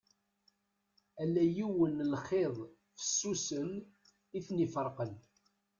Ala yiwen n lxiḍ fessusen i ten-iferqen.